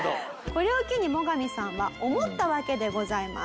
これを機にモガミさんは思ったわけでございます。